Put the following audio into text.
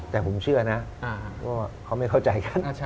แต่ผมเชื่อนะว่าเขาไม่เข้าใจกัน